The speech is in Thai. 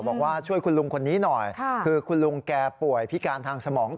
บอกว่าช่วยคุณลุงคนนี้หน่อยคือคุณลุงแกป่วยพิการทางสมอง